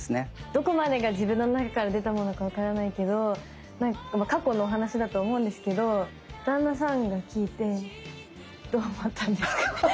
どこまでが自分の中から出たものか分からないけど過去のお話だと思うんですけど旦那さんが聴いてどう思ったんですかね？